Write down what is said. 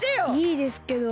いいですけど。